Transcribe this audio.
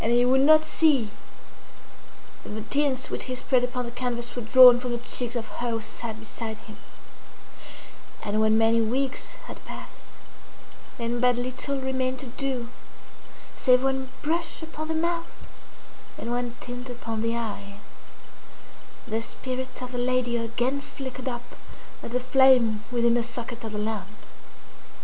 And he would not see that the tints which he spread upon the canvas were drawn from the cheeks of her who sate beside him. And when many weeks had passed, and but little remained to do, save one brush upon the mouth and one tint upon the eye, the spirit of the lady again flickered up as the flame within the socket of the lamp.